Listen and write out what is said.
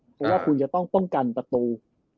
เพราะว่าคุณจะต้องป้องกันประตู